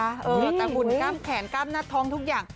แต่หุ่นกล้ามแขนกล้ามหน้าท้องทุกอย่าง